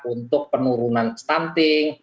untuk penurunan stunting